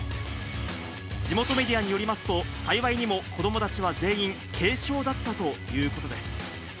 地元メディアによりますと、幸いにも子どもたちは全員軽傷だったということです。